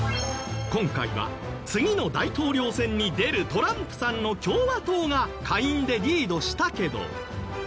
今回は次の大統領選に出るトランプさんの共和党が下院でリードしたけど。